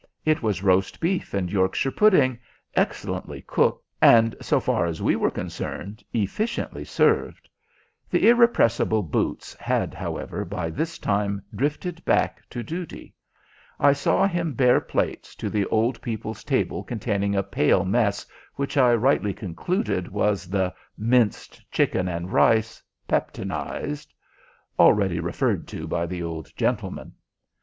It was roast beef and Yorkshire pudding, excellently cooked, and, so far as we were concerned, efficiently served. The irrepressible boots had, however, by this time drifted back to duty. I saw him bear plates to the old people's table containing a pale mess which I rightly concluded was the "minced chicken and rice peptonized," already referred to by the old gentleman.